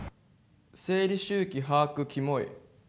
「生理周期把握キモい」